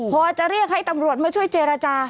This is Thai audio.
พอจะเรียกให้ตำรวจมาช่วยเจรจา